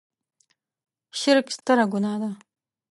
شرک ستره ګناه ده.